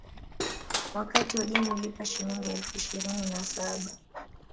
Wakati wageni hulipa Shilingi elfu ishirini na saba